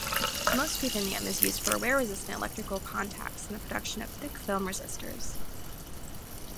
Most ruthenium is used for wear-resistant electrical contacts and the production of thick-film resistors.